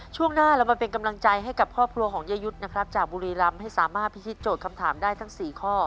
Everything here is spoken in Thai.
ช่วงหน้าเรามาเป็นกำลังใจให้กับครอบครัวของเยยุทธ์นะครับจากบุรีรำให้สามารถพิธีโจทย์คำถามได้ทั้ง๔ข้อ